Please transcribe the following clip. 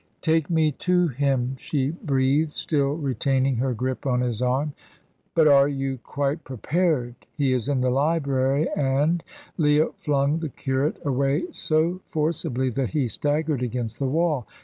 "Take me to him," she breathed, still retaining her grip on his arm. "But are you quite prepared? He is in the library, and " Leah flung the curate away so forcibly that he staggered against the wall.